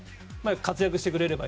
活躍してくれれば。